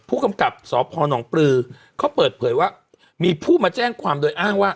ผู้กำกับสพนปลือเขาเปิดเผยว่ามีผู้มาแจ้งความโดยอ้างว่า